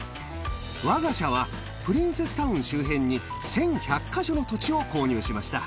わが社はプリンセスタウン周辺に１１００か所の土地を購入しました。